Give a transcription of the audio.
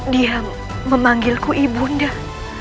dia memanggilku ibu indah